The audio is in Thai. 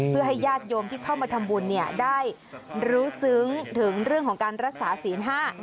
เพื่อให้ญาติโยมที่เข้ามาทำบุญเนี่ยได้รู้ซึ้งถึงเรื่องของการรักษาศีลห้า